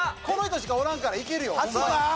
この人しかおらんからいけるよ